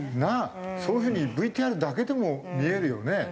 そういう風にＶＴＲだけでも見えるよね。